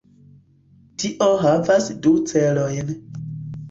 Tio havas du celojn.